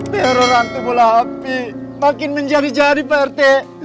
teror hantu bola api makin menjadi jadi pak rt